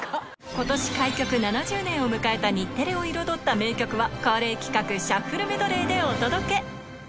今年開局７０年を迎えた日テレを彩った名曲は恒例企画シャッフルメドレーでお届け！